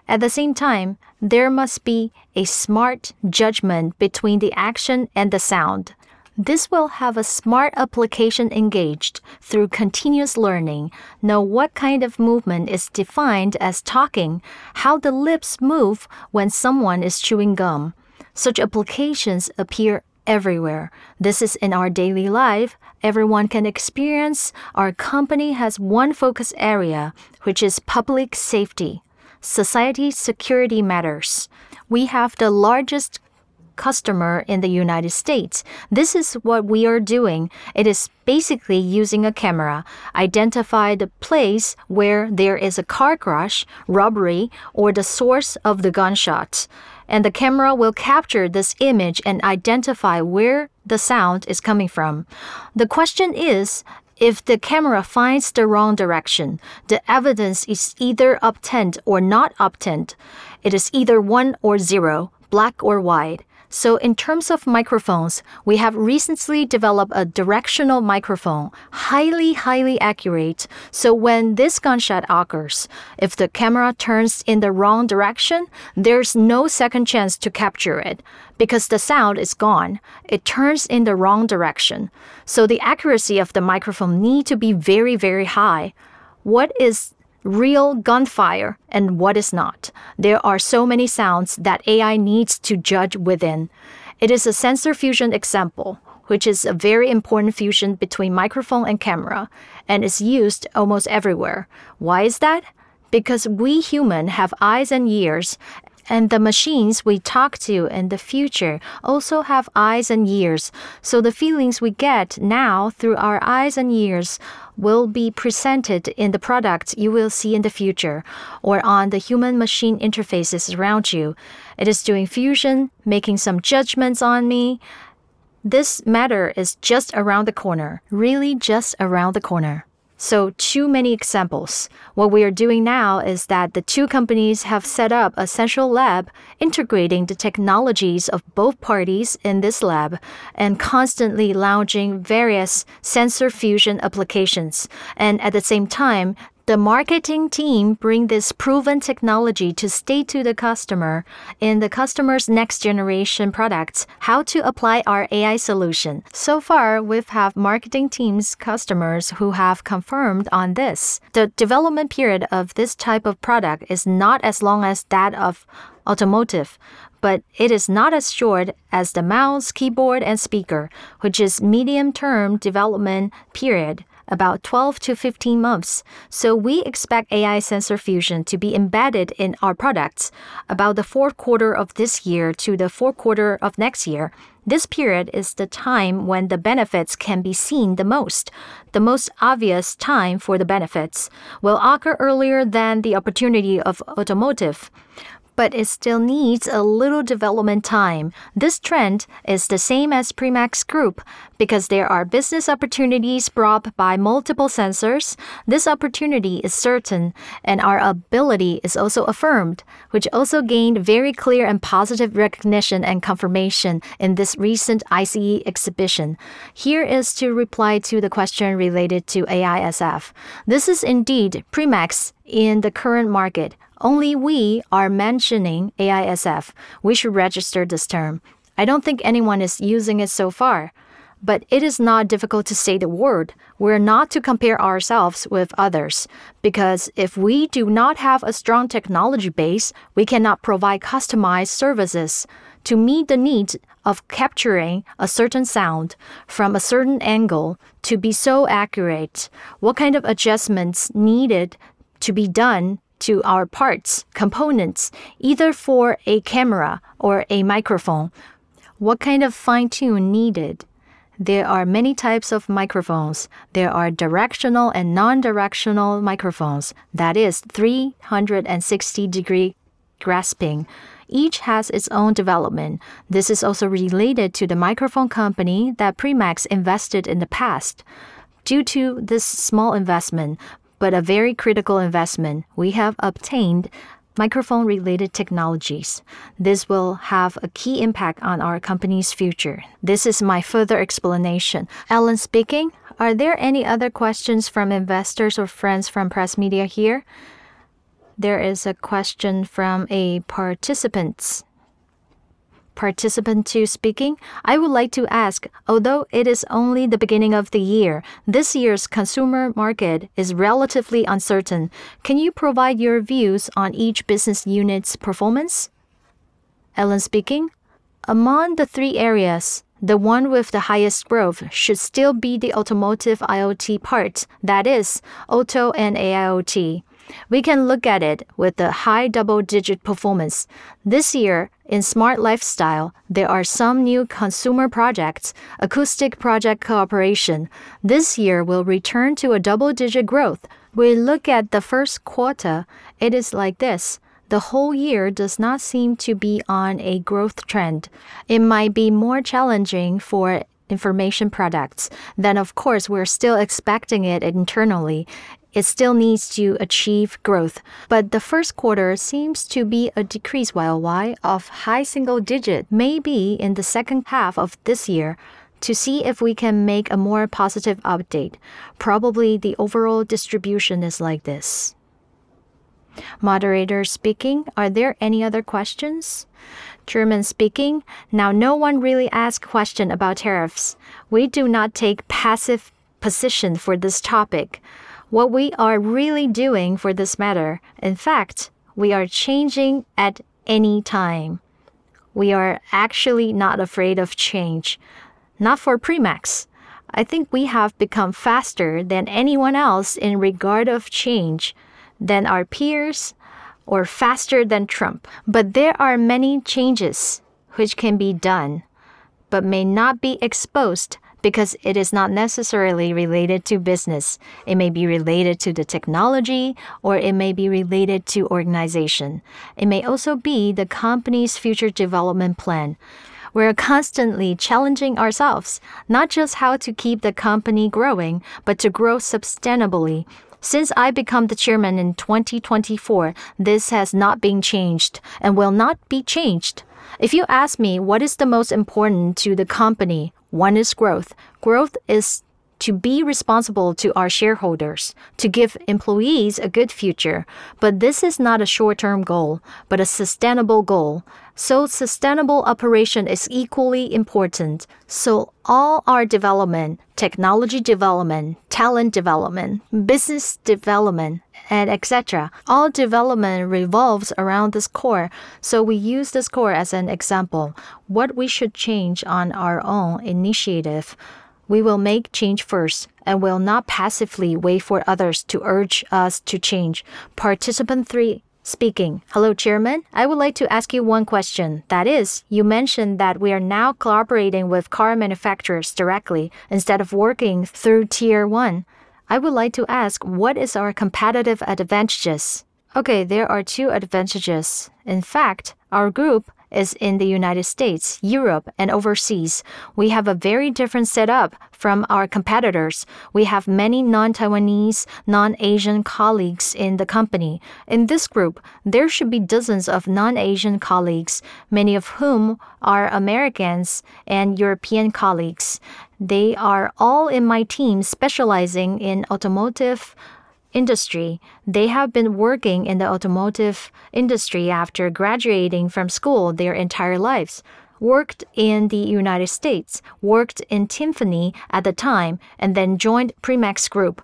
At the same time, there must be a smart judgment between the action and the sound. This will have a smart application engaged through continuous learning. Know what kind of movement is defined as talking, how the lips move when someone is chewing gum. Such applications appear everywhere. This is in our daily life. Everyone can experience. Our company has one focus area, which is public safety, society security matters. We have the largest customer in the U.S. This is what we are doing. It is basically using a camera, identify the place where there is a car crash, robbery, or the source of the gunshot, and the camera will capture this image and identify where the sound is coming from. The question is, if the camera finds the wrong direction, the evidence is either obtained or not obtained. It is either one or zero, black or white. In terms of microphones, we have recently developed a directional microphone, highly accurate. When this gunshot occurs, if the camera turns in the wrong direction, there's no second chance to capture it because the sound is gone. It turns in the wrong direction. The accuracy of the microphone need to be very high. What is real gunfire and what is not? There are so many sounds that AI needs to judge within. It is a sensor fusion example, which is a very important fusion between a microphone and a camera, and is used almost everywhere. Why is that? We humans have eyes and ears, and the machines we talk to in the future also have eyes and ears. The feelings we get now through our eyes and ears will be presented in the products you will see in the future or on the human machine interfaces around you. It is doing fusion, making some judgments on me. This matter is just around the corner. Really just around the corner. Too many examples. What we are doing now is that the two companies have set up a central lab integrating the technologies of both parties in this lab and constantly launching various sensor fusion applications. At the same time, the marketing team bring this proven technology to state to the customer in the customer's next generation products how to apply our AI solution. So far, we have marketing teams, customers who have confirmed on this. The development period of this type of product is not as long as that of automotive, but it is not as short as the mouse, keyboard, and speaker, which is medium-term development period, about 12 to 15 months. We expect AI Sensor Fusion to be embedded in our products about the fourth quarter of this year to the fourth quarter of next year. This period is the time when the benefits can be seen the most. The most obvious time for the benefits will occur earlier than the opportunity of automotive, but it still needs a little development time. This trend is the same as Primax Electronics because there are business opportunities brought by multiple sensors. This opportunity is certain, and our ability is also affirmed, which also gained very clear and positive recognition and confirmation in the recent ISE exhibition. Here is a reply to the question related to AISF. This is indeed Primax in the current market. Only we are mentioning AISF. We should register this term. I don't think anyone is using it so far, but it is not difficult to say the word. We're not to compare ourselves with others because if we do not have a strong technology base, we cannot provide customized services to meet the needs of capturing a certain sound from a certain angle to be so accurate. What kind of adjustments needed to be done to our parts, components, either for a camera or a microphone? What kind of fine-tune needed? There are many types of microphones. There are directional and non-directional microphones. That is 360-degree grasping. Each has its own development. This is also related to the microphone company that Primax invested in the past. Due to this small investment, but a very critical investment, we have obtained microphone related technologies. This will have a key impact on our company's future. This is my further explanation. Are there any other questions from investors or friends from the press media here? There is a question from a participant. I would like to ask, although it is only the beginning of the year, this year's consumer market is relatively uncertain. Can you provide your views on each business unit's performance? Among the three areas, the one with the highest growth should still be the automotive IoT part. That is Automotive and AIoT. We can look at it with a high double-digit performance. This year in Smart Lifestyle, there are some new consumer projects, acoustic project cooperation. This year will return to double-digit growth. We look at the first quarter, it is like this. The whole year does not seem to be on a growth trend. It might be more challenging for Information Products. Of course, we're still expecting it internally. It still needs to achieve growth. The first quarter seems to be a decrease year-over-year of high single digit. Maybe in the second half of this year to see if we can make a more positive update. Probably the overall distribution is like this. Are there any other questions? Now, no one really asks questions about tariffs? We do not take a passive position on this topic. What we are really doing for this matter, in fact, we are changing at any time. We are actually not afraid of change, not for Primax. I think we have become faster than anyone else in regard of change than our peers or faster than Trump. There are many changes which can be done but may not be exposed because it is not necessarily related to business. It may be related to the technology, or it may be related to the organization. It may also be the company's future development plan. We are constantly challenging ourselves, not just how to keep the company growing, but to grow sustainably. Since I became the chairman in 2024, this has not been changed and will not be changed. If you ask me, what is the most important to the company? One is growth. Growth is to be responsible to our shareholders, to give employees a good future. This is not a short-term goal, but a sustainable goal. Sustainable operation is equally important. All our development, technology development, talent development, business development, and et cetera, all development revolves around this core. We use this core as an example. What we should change on our own initiative, we will make change first and will not passively wait for others to urge us to change. Hello, Chairman. I would like to ask you one question. That is, you mentioned that we are now collaborating with car manufacturers directly instead of working through Tier 1. I would like to ask, what is our competitive advantages? Okay, there are two advantages. In fact, our group is in the United States, Europe, and overseas. We have a very different setup from our competitors. We have many non-Taiwanese, non-Asian colleagues in the company. In this group, there should be dozens of non-Asian colleagues, many of whom are Americans and European colleagues. They are all in my team specializing in automotive industry. They have been working in the automotive industry after graduating from school their entire lives, worked in the U.S., worked in Tymphany at the time, and then joined Primax Electronics.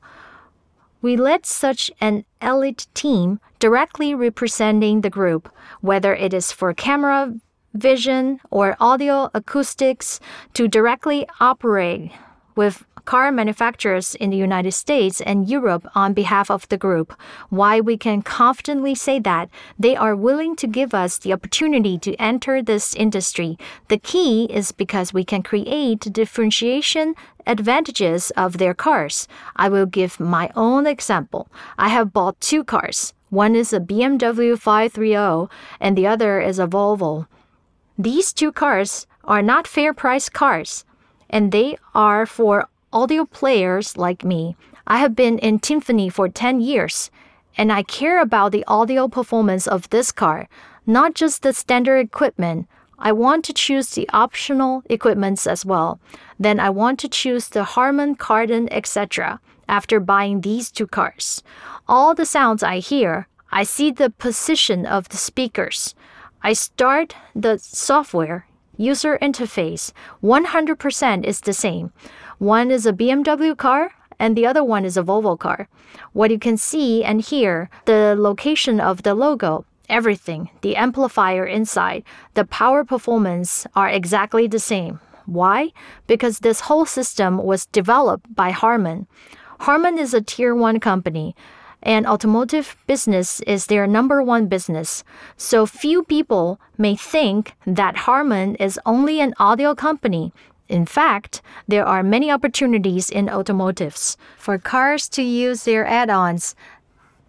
We led such an elite team directly representing the group, whether it is for camera vision or audio acoustics, to directly operate with car manufacturers in the U.S. and Europe on behalf of the group. We can confidently say that they are willing to give us the opportunity to enter this industry, the key is because we can create differentiation advantages of their cars. I will give my own example. I have bought two cars. One is a BMW 530 and the other is a Volvo. These two cars are not fair-price cars, and they are for audio players like me. I have been in Tymphany for 10 years, and I care about the audio performance of this car, not just the standard equipment. I want to choose the optional equipments as well. I want to choose the Harman Kardon, et cetera, after buying these two cars. All the sounds I hear, I see the position of the speakers. I start the software user interface. 100% is the same. One is a BMW car and the other one is a Volvo car. What you can see and hear, the location of the logo, everything, the amplifier inside, the power performance are exactly the same. Why? Because this whole system was developed by Harman. Harman is a Tier 1 company. The automotive business is their number one business. Few people may think that Harman is only an audio company. In fact, there are many opportunities in the automotive industry for cars to use their add-ons.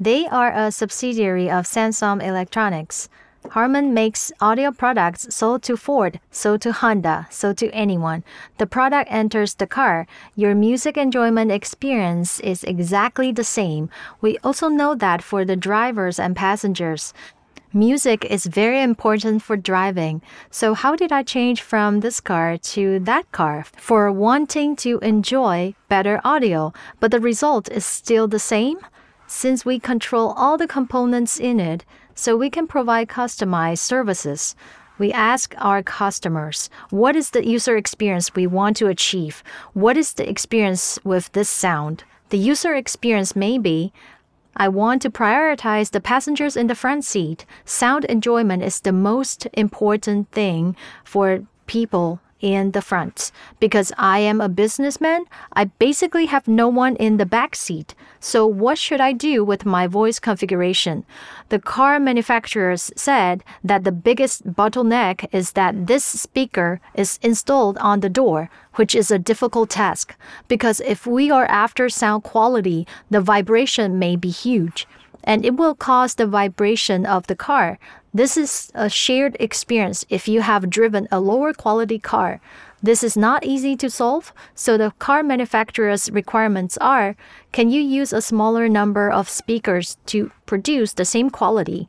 They are a subsidiary of Samsung Electronics. Harman makes audio products sold to Ford, sold to Honda, sold to anyone. The product enters the car. Your music enjoyment experience is exactly the same. We also know that for the drivers and passengers, music is very important for driving. How did I change from this car to that car for wanting to enjoy better audio, but the result is still the same? Since we control all the components in it, so we can provide customized services. We ask our customers, "What is the user experience we want to achieve? What is the experience with this sound? The user experience may be, I want to prioritize the passengers in the front seat. Sound enjoyment is the most important thing for people in the front. I am a businessman, I basically have no one in the back seat. What should I do with my voice configuration? The car manufacturers said that the biggest bottleneck is that this speaker is installed on the door, which is a difficult task, because if we are after sound quality, the vibration may be huge, and it will cause the vibration of the car. This is a shared experience if you have driven a lower quality car. This is not easy to solve. The car manufacturer's requirements are, can you use a smaller number of speakers to produce the same quality?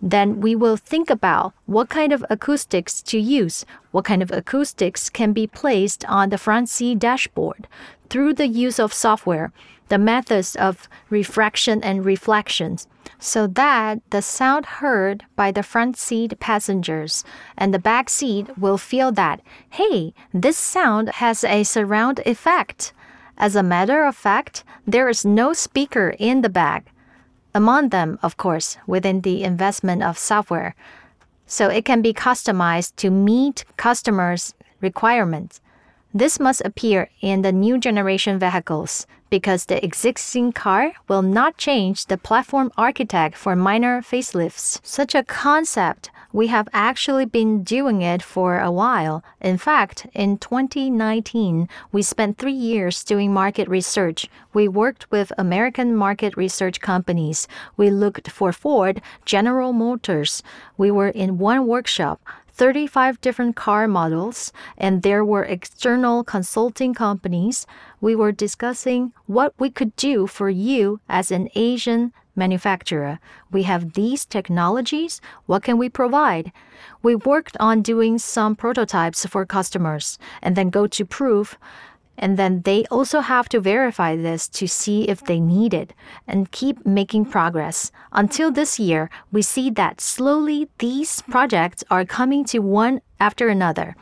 We will think about what kind of acoustics to use, what kind of acoustics can be placed on the front seat dashboard through the use of software, the methods of refraction and reflections, so that the sound heard by the front seat passengers and the back seat will feel that, hey, this sound has a surround effect. As a matter of fact, there is no speaker in the back. Among them, of course, within the investment of software, so it can be customized to meet customers' requirements. This must appear in the new generation vehicles because the existing car will not change the platform architecture for minor facelifts. Such a concept, we have actually been doing it for a while. In fact, in 2019, we spent three years doing market research. We worked with American market research companies. We looked for Ford and General Motors. We were in one workshop, 35 different car models, and there were external consulting companies. We were discussing what we could do for you as an Asian manufacturer. We have these technologies. What can we provide? We worked on doing some prototypes for customers and then go to proof, and then they also have to verify this to see if they need it and keep making progress. Until this year, we see that slowly these projects are coming to one after another,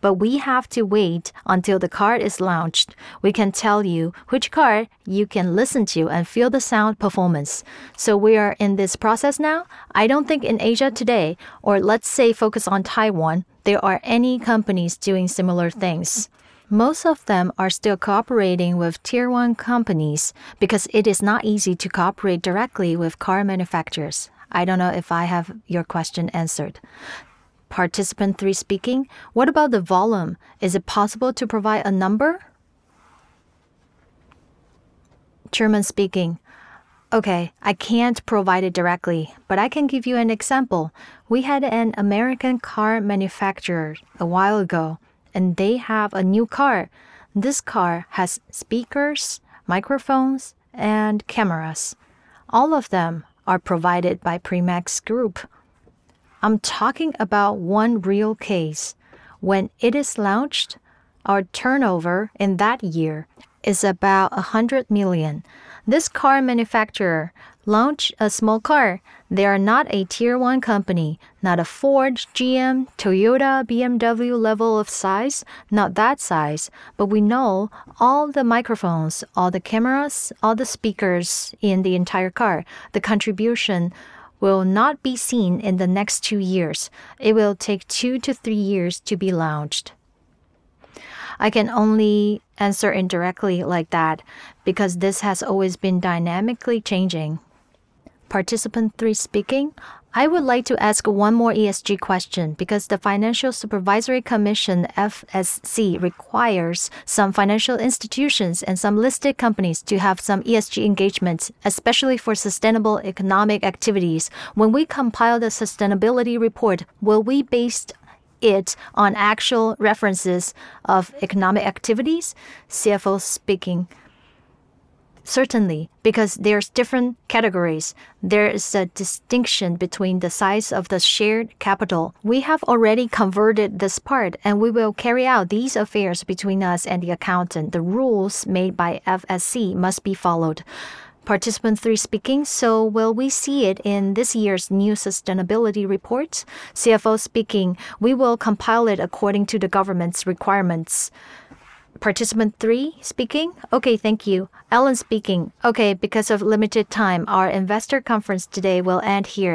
but we have to wait until the car is launched. We can tell you which car you can listen to and feel the sound performance. We are in this process now. I don't think in Asia today, or let's say focus on Taiwan, there are any companies doing similar things. Most of them are still cooperating with Tier 1 companies because it is not easy to cooperate directly with car manufacturers. I don't know if I have your question answered. What about the volume? Is it possible to provide a number? Okay. I can't provide it directly, but I can give you an example. We had an American car manufacturer a while ago, and they have a new car. This car has speakers, microphones, and cameras. All of them are provided by Primax Electronics. I'm talking about one real case. When it is launched, our turnover in that year is about NTD 100 million. This car manufacturer launched a small car. They are not a Tier 1 company, not a Ford, GM, Toyota, BMW-level of size, not that size. We know all the microphones, all the cameras, all the speakers in the entire car. The contribution will not be seen in the next two years. It will take two to three years to be launched. I can only answer indirectly like that because this has always been dynamically changing. I would like to ask one more ESG question because the Financial Supervisory Commission, FSC, requires some financial institutions and some listed companies to have some ESG engagements, especially for sustainable economic activities. When we compile the sustainability report, will we base it on actual references of economic activities? Certainly, because there are different categories. There is a distinction between the size of the share capital. We have already converted this part; we will carry out these affairs between us and the accountant. The rules made by FSC must be followed. Will we see it in this year's new sustainability report? We will compile it according to the government's requirements. Thank you. Because of limited time, our investor conference today will end here.